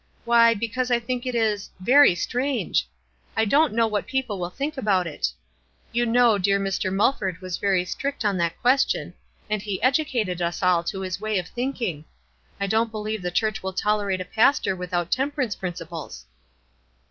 "Why, because I think it is — very strange. I don't know what people will think about it. You know dear Dr. Mulford was very strict on that question, and he educated us all to his way of thinking. I don't believe the church will tol erate a pastor without temperance principles."